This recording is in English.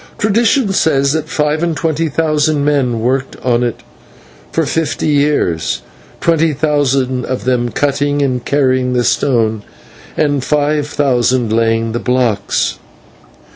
Tradition says that five and twenty thousand men worked on it for fifty years twenty thousand of them cutting and carrying the stone, and five thousand laying the blocks."